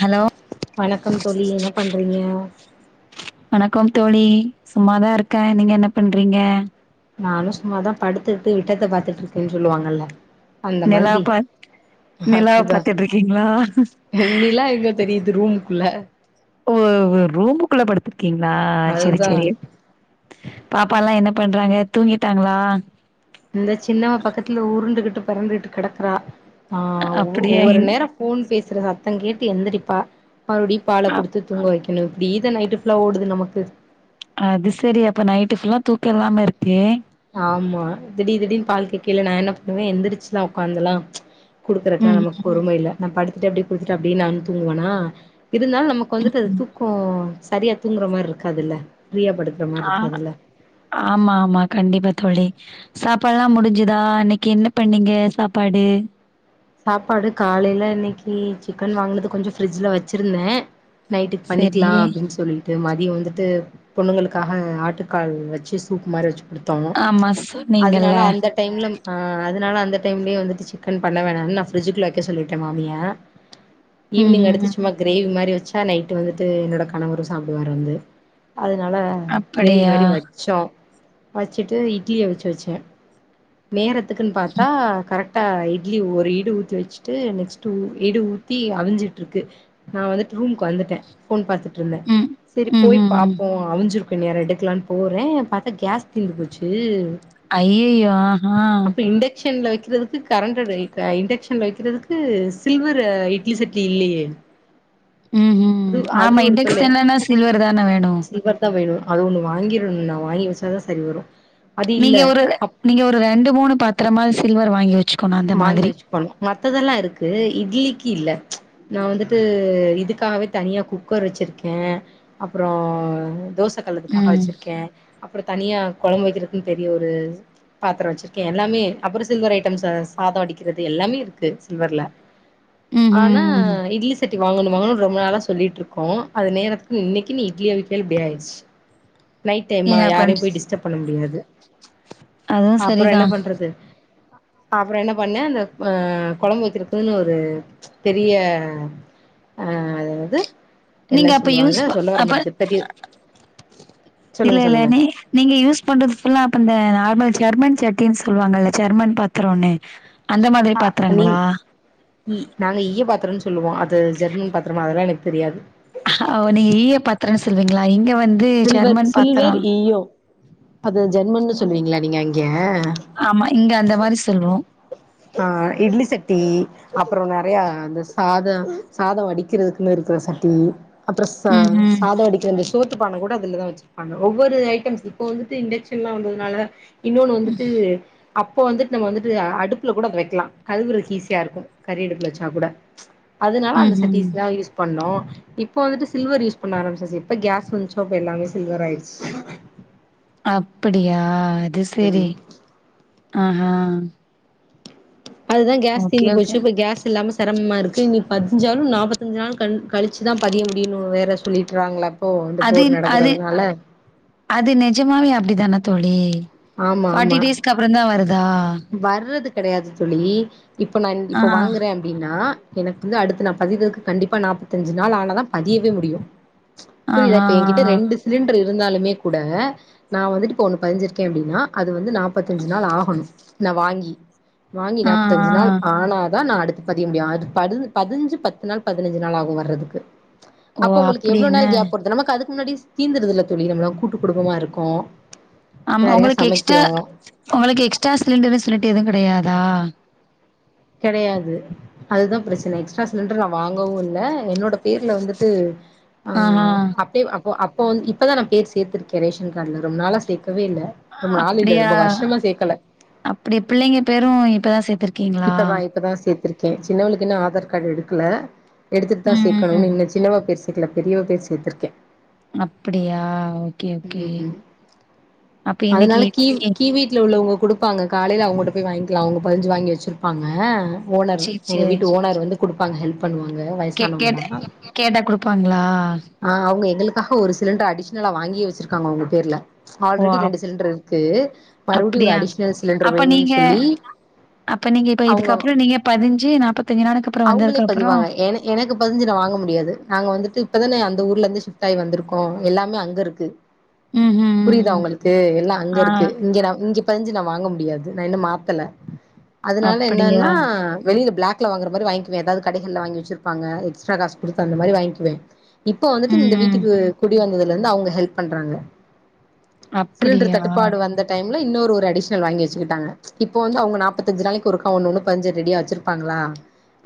Hello வணக்கம் தோலி என்ன பண்றீங்க ணக்கம் தோழி சும்மாதா இருக்கே நீங்க என்ன பண்றீங்க நானும் சும்மாதான் படுத்துட்டு விட்டத்த பாத்துட்டு இருக்கேன்னு சொல்லுவாங்கல்ல அந்த நிலா மாதிரி பார் நிலாவ அப்டிதா பாத்துட்டு இருக்கீங்களா து ரூமுக்குள்ள [inaudible] ரூம் கூள்ள படுத்து இருகீங்களா செரி அதுதா செரி பாப்பால்லாம் என்ன பண்றாங்க தூங்கிட்டாங்களா இந்த சின்னம்மா பக்கத்துல உருண்டுகிட்டு ட்டு பெறண்டுட்டு கெடக்கறா ஆ அப்படியா ஒவ்வொரு இன் நேரம் போன் பேசுற த தன் கேட்டு எந்திரிப்பா மறுபடி பால அ கொடுத்து தூங்குகவை ஏன்னும் இப்டிதான் நைட்டு புல்லா ஓடுது நமக்கு அது செரி அப்ப நைட்டு புல்லா தூக்கம் இல்லாம இருப்பியே ஆமா திடி திடின்னு பால்க்கு கீல நான் என்ன பண்ணுவேன் எந்திரச்சுதான் உட்காந்துலாம் குடுக்கறக்கெல்லாம் ம் நமக்கு பொறுமை இல்ல நான படித்து [unintelligible] அப்டியே குடுத்துட்டு அப்டியே நானு தூங்குவனா இருந்தாலும் நமக்கு வந்துட்டு அது ம் தூக்கம் சரியா தூங்குற மாரி இருக்காதுல்ல ஃப்ரீயா படுக்குற மாரி ஆ இருக்காதுல்ல ஆமா ஆமா கண்டிப்பா தோழி சாப்பாடு எல்லாம் முடிஞ்சதா இன்னைக்கி என்ன பண்ணீங்க சாப்பாடு சாப்பாடு காலையில இன்னைக்கி சிக்கன் வாங்கினது கொஞ்சம் பிரிஜ்ல வச்சிருந்தேன் நைட்டுக்கு சரி பண்ணிக்கலாம் அப்டின்னு சொல்லிட்டு மா நீங்க வந்துட்டு பொண்ணுங்களுக்காக ஆட்டுக்கால் வச்சு சூப்பு மாரி வச்சு கொடு ஆமா சொன்னீங்கல டைம்ல ஆ அதனால அந்த டைம்லேயே வந்துட்டு சிக்கன் பண்ணவேணாம் நான் ஃப்ரிட்ஜிக்குல வைக்க சொல்லிட்டேன் மாமிய ம் ஈவினி் ம் எடுத்து ம் சும்மா கிரேவி மாரி வச்ச ச்சா நைட்டு வந்துட்டு என்னோட கணவரும் சாப்படுவாறு வந்து அதனால கிரேவி அப்படியா மாரி வச்சோம் வச்சுட்டு இட்லிஅவுச்சு வச்சேன் நேரத்த டக்குன்னு பாத்தா கரெக்ட் ஆ இட்லி ஓர் இடு ஊத்தி வச்சுட்டு நெக்ஸ்ட் ஒரு இடு ஊத்தி அவிஞ்சிட்டு இருக்கு நான் வந்துட்டு ரூமுக்கு வந்துட்டேன் போன் பாத்து இருந்தேன் ம் செரி ம் போய் ம் ம் பாப்போம் அவிஞ்சிரு வேற எடுக்கலான்னு போறேன் பாத்தா கேஸ் திந்து போச்சு அய்ஐயோ ஆஹா ச்சன்ல வைக்கிறதுக்கு கரண்ட் [unintelligible] க இண்டக்ஷன்ல வைக்கிறதுக்கு சில்வர் இட்லி சட்லி இல்லையே ம் ஹும் அது அது ஆமா ஒரு தொல்லை இண்டெக்ஸ்னுன்னா சில்வர்தான வேணு சில்வர் தான் வேணும் அது ஒன்னு வாங்கிடணும்னு நான் வாங்கி வச்சா தான் சரி வரும் அது இல்ல நீங்க ஒரு அப் நீங்க ஒரு ரெண்டு மூணு பாத்திரமாது சில்வர் வாங்கி வச்சு வாங்கி வச்சுக்கணு மத் மத்ததெல்லா இருக்கு இட்லிக்கு இல்ல நா வந்துட்டு இதுக்காகவே தனியா குக்கர் வச்சிருக்கே அப்றோ தோச ட்ட கலக்குறதுக்காக ம். வச்சிருக்கே அப்ற தனியா கொழம்பு வைக்கிறதுக்குன்னு பெரிய ஒரு பாத்ரோ வச்சிருக்கேன் எல்லாமே அப்றோ சில்வர் ஐட்டம்ஸஸ் சாதம் அடிக்கிறது எல்லாமே இருக்கு சில்வர்ல ஆனா ம்ஹ்ம். இட்லி செட் வாங்கணு வாங்கணுன்னு ரொம்ப நாளா சொல்லிட்ருக்கோ அது நேரத்துக்கு இன்னைக்குனு இட்லி அவிக்கயில இப்டி ஆயிருச்சு நைட டைம் என்ன யாரையும் போய் பண்றது? டிஸ்டப் பண்ண முடியாது அதுவும் அப்பறம் என்ன சரிதான். பண்றது ஆ அப்றோ என்ன பண்ணே இந்த ஆஹ் கொழம்பு வைக்கறதுக்குன்னு ஒரு பெரிய அஹ் அதாவது நீங்க அப்ப யூஸ் ப அப்ப பெரிய இல்ல சொல்லுங்க இல்ல சொல்லுங்க நீ நீங்க யூஸ் பண்றது ஃபுல்லா அப்ப இந்த நார்மல் ஜெர்மன் சட்டின்னு சொல்லுவாங்கல்ல ஜெர்மன் பாத்திரோன்னு ஆ நீ ஈ நாங்க ஈயப்பாத்தரோன்னு சொல்லுவோ அது ஜெர்மன் பாத்திரமா அதெல்லா எனக் தெரியாது ஆ நீங்க ஈய பாத்திரன்னோ சொ ங்களா இங்க வந்து சில்வர் ஜெர்மன் சில்வர் பாத்திரம் ஈயோ அது ஜெர்மன்னு சொல்றீங்களா நீங்க அங்க ஆமா இங்க அந்த மாரி சொல்வோ ஆ இட்லி சட்டி அப்பறம் நெறைய இந்த சாதம் சாதம் வடிக்கிறதுக்குமே இருக்கிற சட்டி அப்றோ ச ம்ஹ்ம். சாதோ வடிக்கிற அந்த சோத்துப் பான கூட அதுலததா வச்சிருப்பாங்க ஒவ்வொரு ஐட்டம்ஸ் இப்ப வந்துட்டு இண்டக்ஷன்லா வந்ததுனால இன்னொன்னு வந்துட்டு அப்போ வந்துட்டு நம்ம வந்துட்டு அடுப் கூட அத வெக்கலா கழுவுறக்கு ஈஸியா இருக்கு கறி அடுப்புல வச்சா கூட அதனால அந்த ம்ஹ்ம். சட்டிஸ்தா யூஸ் பண்ணோ இப்ப வந்துட்டு சில்வர் யூஸ் பண்ண ஆரம்பிச்சாச்சு எப்ப கேஸ் வந்துச்சோ அப்ப எல்லாமே சில்வர் ஆயிடுச்சு அப்படியா இதுசெரி ஆஹா அதுதா கேஸ் ஓகே, தீர்ந்து போச்சு ஓகே. இப்ப கேஸ் இல்லாம சிரமமா இருக்கு இன்னி பதிஞ்சாலும் நாற்பத்தஞ்சு நாள் கண் கழிச்சு தான் பதிய முடியும் வேற சொல்லிட்டுறாங்களா அதின் அதின் அது நிஜமாவே அப்டித்தானே தோலி ஃபார்ட்டி டேஸ்க்கப்பறோம் தா வருதா வர்றதுக் கெடையாது தோலி இப்போ நான் ஆ. இப்போ வாங்குறேன் அப்டின்னா எனக்கு வந்து அடுத்து நா பதிவற்கக்கு கண்டிப்பா நாற்பத்தஞ்சு நாள் ஆனா தா பதியவே முடியும் புரியதா ஆஹா. என்கிட்ட ரெண்டு சிலிண் இருந்தாலுமே கூட நா வந்துட்டு இப்போ ஒண்ணு பதிஞ்சிருக்கேன் அப்டின்னா அ து வந்து நாப்பத்தஞ்சு நாள் ஆகணும் வாங்கி வாங்கி ஆ, நாப்பத்தஞ்சு நாள் ஆ. ஆனாதான் நா அடு பதிய முடியும் அது படு பதிஞ்சு பத்து நாள் பதினஞ்சு நாள் ஆகும் வர்றதுக்கு ஓ! அப்போ உங்களுக்கு அப்படி எவ்ளோ என்ன? நாள் கேப் வருது நமக்கு அதுக்கு முன்னாடி தீந்தடுதுல தோலி நம்மளா கூட்டு குடும்பமா இருக்கோம் ஆமா உங்களுக்கு எக்ஸ்ட்ரா உங்களுக்கு எக்ஸ்ட்ரா சிலிண்டர் தின்னுட்டு எதுவு கிடையாதா கிடையாது அதுதா பிரச்சனை எக்ஸ்ட்ரா சிலிண்டர் நான் வாங்கவு இல்ல என்னோட பேர்ல வந்துட்டு அ ஆஹா. அப்டே அப் அப்ப வந்து இப்பதா பேர் சேர்த்துருக்கே ரேஷன் காட்ல ரொம்ப நாளா சேக் அப்டியா சேக்கல அப்டி பிள்ளைங்க பேரு இப்பதா சேத் இப்பதான்-இப்பதான் சேர்த்திருக் கே சின்னவளுக்கு இன்னு ஆதார்கார்டு எடுக்கல எடுத்துட்டுதா ம், ம். சேக்கணு இன்னு சின்னாவ பே சேக்கல பெரியவ பேர் சேத்திருக்கே அப்டியா ஓகே ஓகே ம் அப்ப அதனால இன்னிக்கு கீ [unintelligible] கீ வீட்ல உள்ளவங்க குடுப்பாங்க காலையில அவுங்கிட்ட போய் வாங்கலாம் அவங்க பஞ்ச வாங்கி வச்சு ருப்பாங்க ஓனர் சரி. எங்க சரி. வீட்டு ஓனர் வந்து குடுப்பாங்க ஹெல்ப் பண்ணுவாங்க கே வயசானவங்க கேட்ட தான் கேட்டா குடுப்பாங்களா? ஆ அவுங்க எங்களுக்கு அக்கா ஒரு சிலிண்டர் அடிஷ்னலாக வாங்கியே வச்சுருக்காங்க உங்க பேர்ல ஓ ஆல்ரெடி அப் ரெண்டு சிலிண்டர் இருக்கு மறுபடியும் ஒரு அப்டியா அடிஷ்னல் சிலிண்டர் அப்ப வேணும்னு நீங்க சொல்லி அப்ப நீங்க இப்ப அவுங்க இதுக்கப்புறம் நீங்க பதிஞ்சு நாப்பத்தஞ்சு நாளுக்கு அப்புறம் அவுங்களே வந்ததுக்கப்புறம் பதிவாங்க எனக்கு பதிஞ்சு நான வாங்க முடியாது நாங்க வந்துட்டு இப்தானே அந்த ஊர்ல இருந்து ஷிப்ட ஆயி வந்திருக்கோம் எல்லாமே அங்க இருக்கு ம்ஹ்ம் புரியுதா ம் உங்களுக்கு எல்லாம் அங்க ஆ இருக்கு இங்க நான இங்க பதிஞ்சு நான வாங்க முடியாது நான இன்னும் மாத்தல அதனால அப்படியா என்னன்னா வெளியில பிளாக் ல வாங்குற மாரி வாங்கிகிவேன் ஏதவதுகடகள்ல வாங்கிச்சிருப்பாங்க எக்ஸ்ட்ரா காசு கொடுத்து அந்த மாரி வாங்கிகிவேன் இப்ப வந்துட்டு ம் இந்த ம் வீட்டுக்கு குடி வந்தது இருந்து அவுங்க ஹெல்ப் பண்றாங்க சிலிண்டர் அப்படியா தட்டுப்பாடு வந்த டைம் இன்னொரு ஒரு அடிஷ்னல் வாங்கி வச்சுக்கிட்டாங்க இப்போ வந்து அவுங்க நாற்பது மும்பத்தஞ்சு நாளைக்கு ஒருக்கா ஒண்ணு ஒண்ணு பதிஞ்சு ரெடியா வச்சிருப்பாங்களா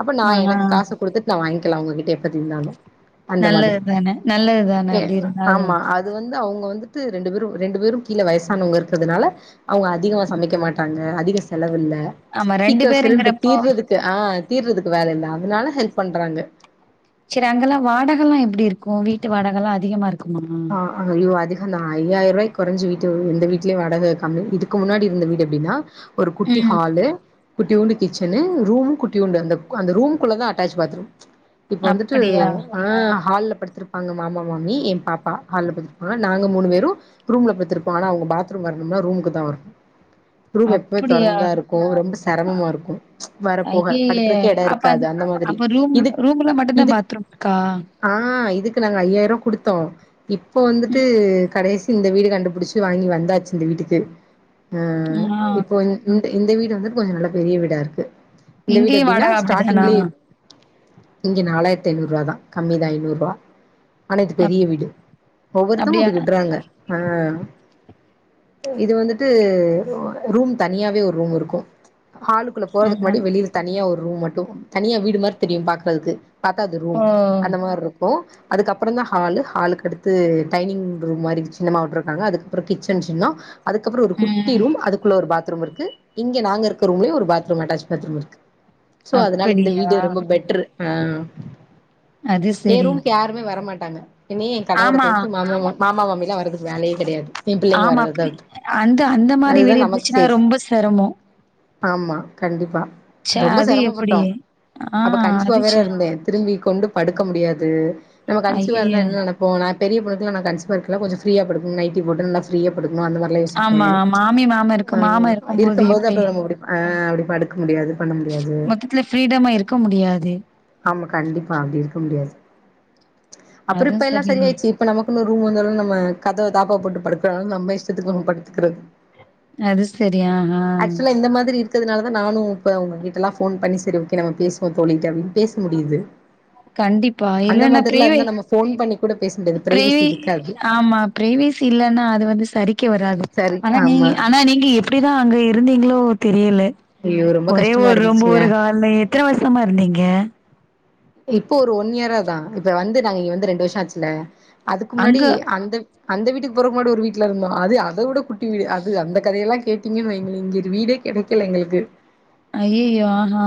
அப்ப ஆ நான ஆ. எனக்கு காசு கொடுத்துட்டு நான் வாங்கி அவங்ககிட்டப் எப்த்தி இருந்தாலும் நல்லது தானே நல்லதுதானே அப்டி இருந்தாலும் இப்போ வந்துட்டு ரெண்டு பேரும் ரெண்டு பேரும் கீழே வயசானவுங்க இருக்கிறதுனால அவங்க அதிகமா சமைக்க மாட்டாங்க அதிக செலவில்ல ஆமா சீக்கிரம் சிலுண்டர் பேருங்கிறப்போ தீர்றதுக்கு ஆ தீர்றதுக்கு வேல இல்ல அதனால ஹெல்ப் பண்றாங்க செரி அங்கெல்லாம் வாடக எல்லாம் எப்டி இருக்கும் வீட்டு வாடகை எல்லாம் அதிகமா இருக்கும் ஆஹ ஐய்யோ அதிகம்தான் ஐயாயிரம் ரூபாய்க குறைஞ்சு வீ எந்த வீட்லயே வாடகை கம்மி இதுக்கு முன்னாடி இருந்த வீடு எப்படின்னா ஒரு குட்டி ம் ஹால்லு குட்டியுண்டு கிச்சன்னு ரூம் குட்டியுண்டு அந்த ரூம் குள்ள தான் அட்டாச் பாத்ரூம் இப்ப வந்துட்டு அப்படியா ஆன ஹால்ல படுத்திருப்பாங்க மாமா மாமி என் பாப் ஹால் பத்திருப்பாங்க நாங்க மூணு பேரும் ரூம்ல படுத்திருப்போம் ஆனா அவுங்க பாத்ரூம் வரணும்னா ரூமுக்கு தான் வரும் ரூம் எப்பவும் அப்படியா தொறந்து தா இருக்கும் ரொம்ப செரமம்மா இருக்கும் வரப்போக ஐய்யயே படுக்கறக்கே இடம் அப்ப இருக்காது அந்த மாதிரி அப்ப ரூம் இதுக்கு ரூம்ல மட்டும் தான் இதுக் பாத்ரூம் இருக்கா? ஆஹ இதுக்கு நாங்க ஐயாயிரம் குடுத்தோம் இப்போ வந்துட்டு ம் கடைசி இந்த வீடு கண்டுபிடிச்சு வாங்கி வந்தாச்சு இந்த வீட்டுக்கு ஆஹ ஆ இப்போ இந்த வீடு வந்து கொஞ்ச நல்ல பெரிய வீடா இருக்கு இந்த வீடு இங்கேயும் எப்டின்னா வாடகை அப்டிதானா? ஸ்டார்டிங்லே இங்க நாலாயி எண்நூறு ரூபா தான் கம்மி தான் எண்நூறு ரூபா ஆனா இது ஆ பெரிய வீடு ஒவ்வொருத்தரும் அப்டியா இப்டி விடுறாங்க ஹா இது வந்துட்டு ரூம் தனியாவே ஒரு ரூம் இருக்கும் ஆலுக்குள்ள போறதுக்கு ஆஹ முன்னாடி வெளில தனியா ஒரு ரும் ரூம் மட்டும் தனியா வீடு மாதிரி தெரியும் பாக்குறதுக்கு பத்தது ஓ ரூம் அந்த மாதிரி இருக்கும் அதுக்குப்பறம் தான் ஹால் ஹாலு அடுத்து டைனிங் ரூம் மாதிரி சின்னமா விட்டு இருக்காங்க அதுக்குப்பறம் கிச்சன் சின்னம் அதுக்கப்பறம் ஒரு குட்டி ம் ரூம் அதுக்குள்ள ஒரு பாத் ரூம் இருக்கு இங்க நாங்க இருக்க ரூம்லே ஒரு பாத்ரூம் அட்டாச் பாத்ரூம் இருக்கு சோ அதனால இந்த அப்படியா வீட்டு ரொம்ப பெட்டர் ஹா அது ஏ சரி ரூமுக்கு யாருமே வரமாட் [unintelligible] ஆமா கதவுறத்த வித்து மாமா-மாமா மாமி எல்லாம் வர்றதுக்கு வேலையே கிடையாது என் பிள்ளைங்க ஆமா வரத அப்படி தவிர்த்த அந்த அந்த மாரி வீடு அதுதான் நமக்கு இருந்துச்சுன்னா சேப் ரொம்ப சிரமோ ஆமா கண்டிப்பா ச ரொம்ப அது சிரமப்பட்டோ எப்டியே ஹா அப்ப கன்சிவா அது வேற செரி இருந்தே திரும்பி கொண்டு படுக்க முடியாது நம்ம கன்சிவா ஐயய்ய இருந்தா என்ன பெரிய பொண்ணுக்கு நா கன்சிவா இருக்க கொஞ்ச ப்ரீயா படுப்பேன் நைட்டி போட்டு நல்ல ப்ரீயா படுப்பேன் நா அந்த மாதிரியல்ல ஆமா யோசிப்பேன் மாமி மாம இருக்கு ஹா மாமா இருக்கும் போது எப்படி அ அப்டி படுக்க முடியாது பண்ண முடியாது மொத்தத்துல ஃப்ரீடமா இருக்க முடியாது ஆமா கண்டிப்பா அப்டி இருக்க முடியாது அப்றோ அது இப்ப எல்லா செரிய ஆயிச்சு இப்ப நமக்குனு ரூம் வந்தா நம கதவ தாப்பா போட்டு படுக்கறும் நம்ம இஷ்டத்துக்கு படுக்க அது செரி ஹா ஹ னால தான் நானும் இப்ப உங்க கீட்ட எல்லா போன் பண்ணி செரி ஓகே நம்ம பேசுவோம் தோலிட்டு அப்டின்னு பேச முடியுது கண்டிப்பா அந்த இல்லன்னா மாதிரிலா பிரேவே இருந்தா நம்ம ஃபோன் பண்ணி கூட பேச முடியாது ப்ரை பிரைவசி இருக்காது ஆமா ப்ரைவசியில்லன்னா அது வந்து சரிக்கி வராது சரி ஆனா நீ ஆமா ஆனா நீங்க எப்டிதா அங்க இரு இருந்தீங்களோ தெரியல ஐயோ ரொம்ப ஒரே கஷ்டமா ஊரு ரொம்ப இருந்துச்சுங்க ஒரு காலமா எத்தன வருஷமா இருந்தீங்க [inaudible] இப்போ ஒரு ஒன் இயராதா இப்ப வந்து நாங்க இங்க வந்து ரெண்டு வருஷோ ஆச்சுல அதுக்கு முன்னாடி அங்க அந்த அந்த வீட்டுக்கு போற முன்னாடி ஒரு வீட்டுலயிருந்தோ அது அத விட குட்டி வீடு அது அந்த கதையெல்லா கேட்டீங்கன்னு வைங்களே இங்க ஒரு வீடே கெடைக்கல எங்களுக்கு அய்யய்யோ ஆஹ்ஹா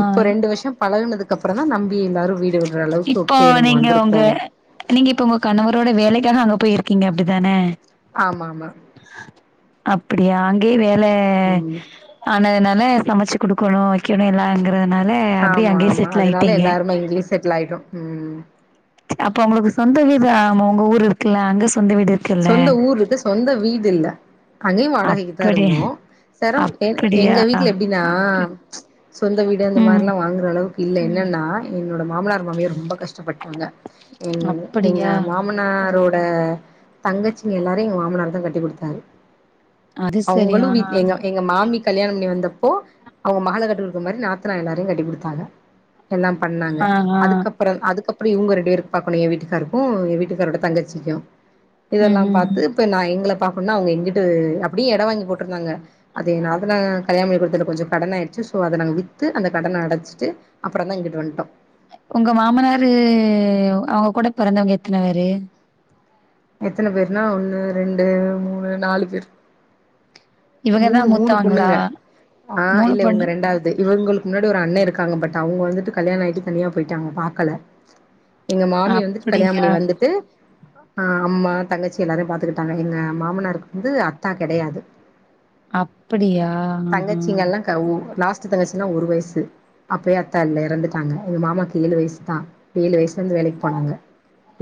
அப்பறோதா நம்பி எல்லாரோம் வீடு விடுற அளவுக்கு இப்போ ஓகே நம்ம நீங்க உங்க வந்திருக்கோ நீங்க இப்ப உங்க கணவரோட வேலக்காக அங்க போயிரு க்கீங்க அப்டிதான ஆமா ஆமா அப்டியா அங்கேயே வேல ம் ஆனதுனால அதனால சமச்சு குடுக்கணோம் வெக்கணோயெல்லாம் அங்க அதனால அப்டியே அங்கேயே செட்டில் ஆயிட்டீங்க டில் ஆயிட்டோ ம் அப்ப உங்களுக்கு சொந்த வீடு உங்க ஊர் இருக்குல்ல அந்த சொந்த ஊருயிருக்கு சொந்த வீடுயில்ல அங்கேயோ வாடகைக்குதா அப்படி இருந்தோம் செரவு அப்படியா எங்க வீட்டுல எப்டின்னா [inaudible] சொந்த வீடு அந்த ம் மாரிலா வாங்குற அளவுக்கு இல்ல என்னென்னா என்னோடய மாமனார் மாமியார் ரொம்ப கஷ்டப்பட்டாங்க எங்க அப்படியா மாமனாரோட அ தங்கச்சிங்கயெல்லாரோம் எங்க மாமனாருதா கட்டி குடுத்தாரு அது சரி அவங்களோ ஆ எங்க எங்க மாமி கல்யாணம் பண்ணி வந்த போ ந மகள கட்டி குடுக்குற மாரி நாத்தனார் எல்லாரையோ கட்டிப்குடுத்தாங்க எல்லா பண்ணாங்க ஆ ஆ அதுக்கப்பறம் அதுக்கப் அப்டியே ரெண்டு பேருக்கு பாக்கணோம் என் வீட்டுக்காருக்கோ என் வீட்டுக்காரோட தங்கச்சிக்கோ ம் இதெல்லாம் ம் பாத்து இப்ப நா எங்கள பாக்கணோம்னா அவங்க எங்குட்டு அப்டியே எடோ வாங்கி போட்டிருந்தாங்க அது எங்க நாத்தனார் கல்யாணநேரத்துல கொஞ்சோ கடன் ஆயிடுச்சு சோ அத நாங்க வித்து அந்த கடன அடச்சுட்டு அப்பறோதா இங்குட்டு வந்துட்டோம் உங்க மாமனாரு அவங்க கூட பெறந்தவங்க எத்தன பேரு எத்தன பேருனா ஒண்ணு ரெண்டு மூணு நாலு பேர் இவங்கதா மூணு மூணு மூத்தவங்களா புண்ணுங்க ஆ மூணு இல்ல உங்க பொண்ணு ரெண்டாவது இவங்களுக்கு முன்னாடி ஒரு அண்ணன் இருக்காங்க பட் அவங்க வந்துட்டு கல்யாணம் ஆயிட்டு தனியா போயிட்டாங்க பாாரக்கல எங்க மாமிய வந்துட்டு அப்படியா கல்யாணணி வந்துட்டு ஆ அம்மா தங்கச்சி எல்லாரையும் பாத்துக்கிட்டாங்க எங்க மாமனருக்கு வந்து அத்தா கெடையாது அப்டியாஹஹ அ தங்கச்சுனா ஒரு வயசு அப்யே அத்தா இல்ல இரண்டுட்டாங்க எங்க மாமாக்கு ஏழு வயசுதான் ஏழு வயசு வந்து வேலைக்கு போனாங்க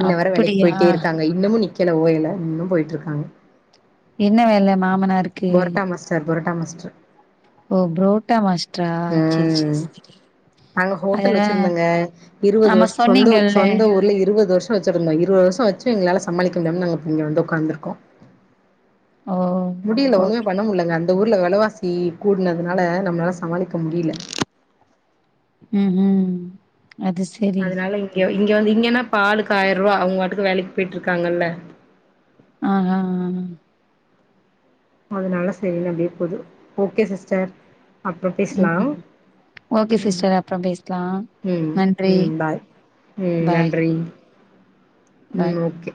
இன்ன வர வேலைக்கு அப்படியா போயிட்டே இருக்காங்க இன்னமும் நிக் கெழ ஓயில இன்னும் போயிட்டு இருக்காங்க என்ன வேல மாமனார் புரோட்டா மாஸ்டர் பொரட்டா மாஸ்ட்ரு ஓ புரோட்டா மாஸ்டரா ம் செரி நாங்க [inaudible] ஹோட்டல் அதல்லா வச்சிருந்தோங்க இருவது ஆமா சொன்னீங்கல்ல வச்சிருந்தோம் இருபது வருஷம் வச்சு எங்களால சமாளிக்க முடிய நாங்கங்க வந்து உட்காந்துருக்கோம் ஓ [inaudible] பணம் உள்ளங்க [inaudible] அந்த ஊர்ல வெலைவாசி கூடுனதுனால நம்மளால சமாளிக்க முடியல ம் ம் அது செரி அதனால இங்க இங்க வந்து இங்கன்னா பாலுக்கு ஆயிரம் ரூபா அவங்க வாட்டுக்கு வேலக்கு போயிட்டு இருக்காங்கல்ல ஆஹ்ஹ்ஹ் அதனால சரியனு அப்டியே போது ஓகே சிஸ்டர் அப்புறம் ஆ ம் பேசுலாம் ஓகே சிஸ்டர் அப்றோ பேசலா உம் நன்றி உம் பாய் உம் பாய் நன்றி ம் பாய் ஓகே